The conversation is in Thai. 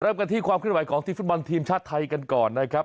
เริ่มกันที่ความขึ้นไหวของทีมฟุตบอลทีมชาติไทยกันก่อนนะครับ